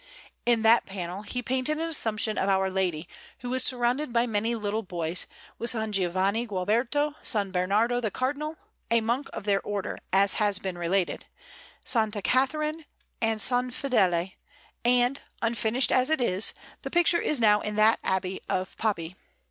In that panel he painted an Assumption of Our Lady, who is surrounded by many little boys, with S. Giovanni Gualberto, S. Bernardo the Cardinal (a monk of their Order, as has been related), S. Catharine, and S. Fedele; and, unfinished as it is, the picture is now in that Abbey of Poppi.